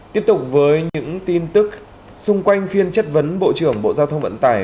tiếp tục với những tin tức xung quanh phiên chất vấn bộ trưởng bộ giao thông vận tải